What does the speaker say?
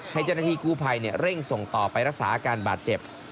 ให้เจ้าหน้าที่กู้ภัยเร่งส่งต่อไปรักษาอาการบาดเจ็บ